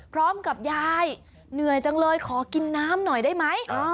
พร้อมกับยายเหนื่อยจังเลยขอกินน้ำหน่อยได้ไหม